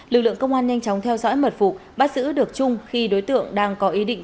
lực lượng công an nhanh chóng theo dõi mật phục bắt giữ được trung khi đối tượng đang có ý định